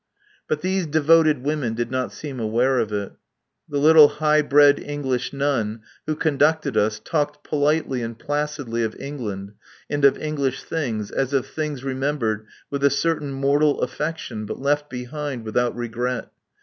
But these devoted women did not seem aware of it. The little high bred English nun who conducted us talked politely and placidly of England and of English things as of things remembered with a certain mortal affection but left behind without regret.